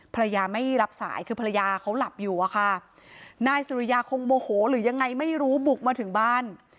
ภรรยาไม่รับสายคือภรรยาเขาหลับอยู่อะค่ะนายสุริยาคงโมโหหรือยังไงไม่รู้บุกมาถึงบ้าน